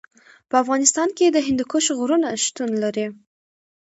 په افغانستان کې د هندوکش غرونه شتون لري.